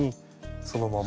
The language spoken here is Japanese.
そのまま。